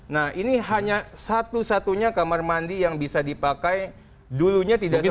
nah ini hanya satu satunya kamar mandi yang bisa dipakai dulunya tidak sama